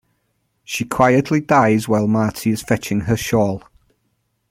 She quietly dies while Marty is fetching her shawl.